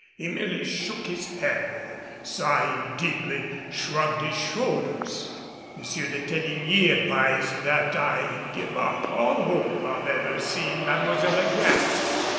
He merely shook his head, or, sighing deeply, shrugged his shoulders. M. de Teligny advised that I give up all hope of ever seeing Mademoiselle again.